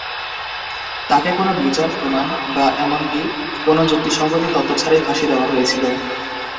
তাকে কোনো বিচার, প্রমাণ বা এমনকি কোনো যুক্তিসঙ্গত তত্ত্ব ছাড়াই ফাঁসি দেওয়া হয়েছিল।